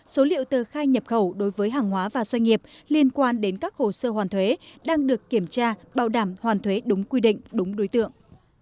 số liệu tờ khai nhập khẩu đối với hàng hóa và doanh nghiệp liên quan đến các hồ sơ hoàn thuế đang được kiểm tra bảo đảm hoàn thuế đúng quy định đúng đối tượng